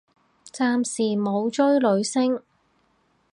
暫時冇追女星